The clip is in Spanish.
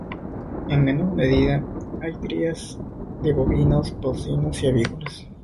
En menor medida, hay crías de bovinos, porcinos y avícolas.